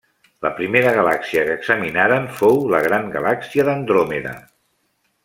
La primera galàxia que examinaren fou la Gran galàxia d'Andròmeda.